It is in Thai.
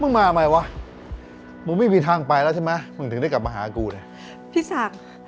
มึงมาไม่วะมึงไม่มีทางไปแล้วใช่ไหมมึงถึงได้กลับมาหากูนะ